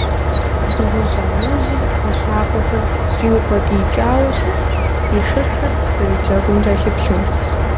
Дыгъужь анэжьыр и лъакъуэхэр щӀиукъуэдиикӀауэ щыст, и шырхэр зэрыджэгум кӀэлъыплъу.